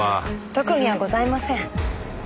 特にはございません。